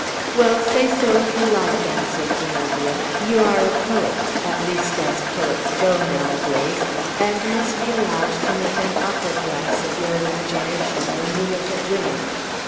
"Well, say so if you like," answered Zenobia. "You are a poet, at least, as poets go nowadays, and must be allowed to make an opera glass of your imagination, when you look at women.